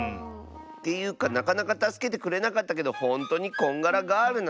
ていうかなかなかたすけてくれなかったけどほんとにこんがらガールなの？